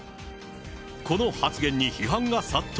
この発言に批判が殺到。